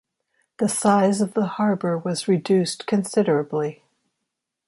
The size of the harbour was reduced considerably.